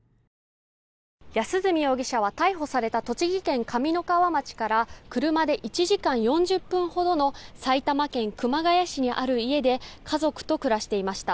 安栖容疑者は逮捕された栃木県上三川町から車で１時間４０分ほどの埼玉県熊谷市にある家で家族と暮らしていました。